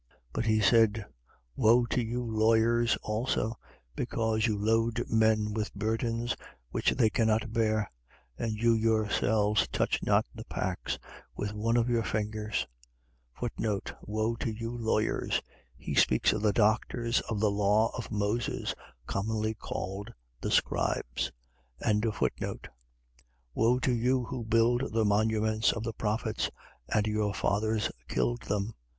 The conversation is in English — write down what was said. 11:46. But he said: Woe to you lawyers also, because you load men with burdens which they cannot bear and you yourselves touch not the packs with one of your fingers. Woe to you lawyers. . .He speaks of the doctors of the law of Moses, commonly called the scribes. 11:47. Woe to you who build the monuments of the prophets: and your fathers killed them.